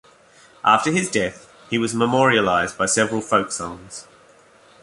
After his death, he was memorialized by several folk songs.